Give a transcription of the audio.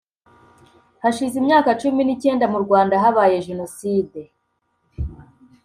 Hashize imyaka cumi n’icyenda mu Rwanda habaye Jenoside